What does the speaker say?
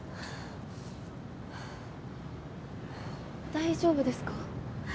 大丈夫ですか？